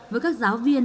với các giáo viên